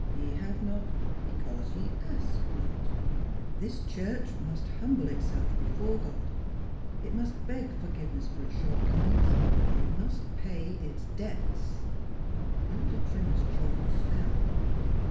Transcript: ' Ye have not because ye ask not.' This church Miss Philura's Wedding Gown must humble itself before God. It must beg forgiveness for its shortcomings. It must pay its debts." Elder Trimmer's jaw fell.